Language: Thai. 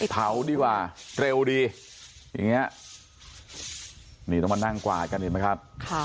เผาดีกว่าเร็วดีอย่างนี้นี่ต้องมานั่งกวาดกันเห็นไหมครับ